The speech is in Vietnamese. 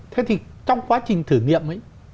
thế thì trong quá trình thử nghiệm ấy